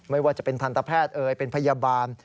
ไม่ว่าจะเป็นทันตแพทย์เอ่ยเป็นพยาบาล